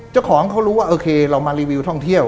เจ้าของเขารู้ว่าโอเคเรามารีวิวท่องเที่ยว